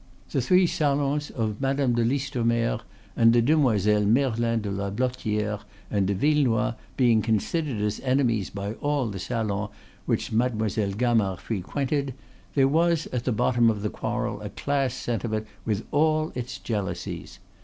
The three salons of Madame de Listomere and the Demoiselles Merlin de la Blottiere and de Villenoix being considered as enemies by all the salons which Mademoiselle Gamard frequented, there was at the bottom of the quarrel a class sentiment with all its jealousies.